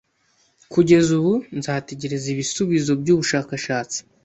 Kugeza ubu, nzategereza ibisubizo byubushakashatsi